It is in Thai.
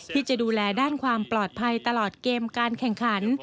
ที่จะดูแลด้านความปลอดภัยตลอดเกมการแข่งขัน